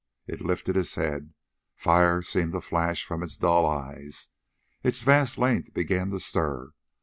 It lifted its head, fire seemed to flash from its dull eyes, its vast length began to stir.